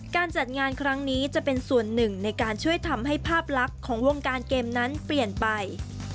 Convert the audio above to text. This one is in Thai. การจัดงานครั้งนี้จะเป็นส่วนหนึ่งในการช่วยทำให้ภาพลักษณ์ของวงการเกมนั้นเปลี่ยนไป